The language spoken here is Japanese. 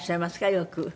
よく。